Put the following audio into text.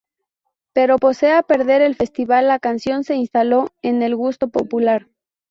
Pero pese a perder el festival, la canción se instaló en el gusto popular.